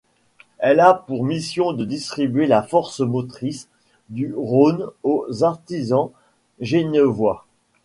Elle a pour mission de distribuer la force motrice du Rhône aux artisans genevois.